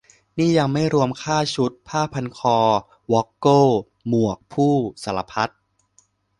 นี่ยังไม่รวมค่าชุด ผ้าพันคอ วอกเกิล หมวก พู่ สารพัด